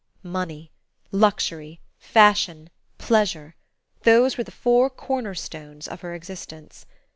Money, luxury, fashion, pleasure: those were the four cornerstones of her existence.